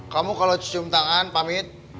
kamu kalau cicium tangan pamit